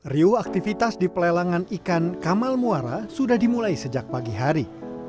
riu aktivitas di pelelangan ikan kamal muara sudah dimulai sejak pagi hari